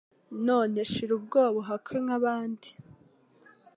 none shira ubwoba uhakwe nk'abandi